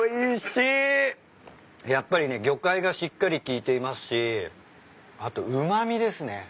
やっぱりね魚介がしっかり効いていますしあとうま味ですね。